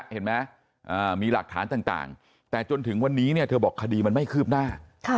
เห็นไหมมีหลักฐานต่างแต่จนถึงวันนี้เธอบอกคดีมันไม่คืบหน้า